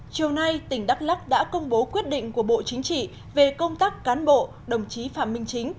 chiều nay tỉnh đắk lắc đã công bố quyết định của bộ chính trị về công tác cán bộ đồng chí phạm minh chính